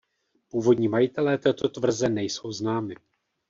Původní majitelé této tvrze nejsou známi.